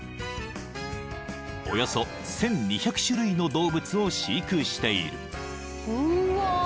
［およそ１，２００種類の動物を飼育している］